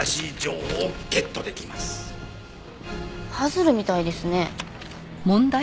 パズルみたいですね。